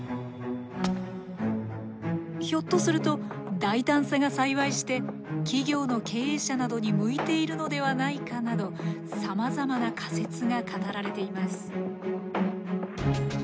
ひょっとすると大胆さが幸いして企業の経営者などに向いているのではないかなどさまざまな仮説が語られています。